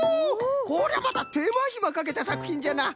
これはまたてまひまかけたさくひんじゃな。